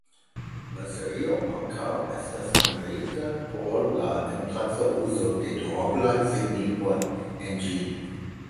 La serio ankaŭ estas memorita por la ampleksa uzo de duoblaj signifoj en ĝi.